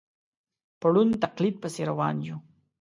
په ړوند تقلید پسې روان یو.